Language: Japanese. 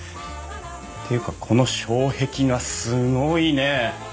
っていうかこの障壁画すごいね！